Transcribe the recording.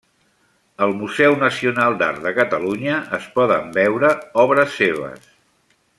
Al Museu Nacional d'Art de Catalunya es poden veure obres seves.